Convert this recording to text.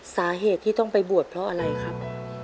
สาเหตุที่ต้องไปบวชเพราะอะไรครับ